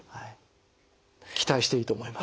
期待していいと思います。